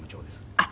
あっ